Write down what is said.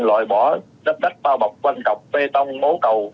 loại bỏ đắp đắp bao bọc quanh cọc bê tông mố cầu